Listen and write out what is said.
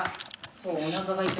そうおなかが痛いって。